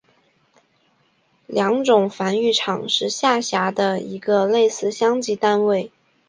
良种繁育场是下辖的一个类似乡级单位。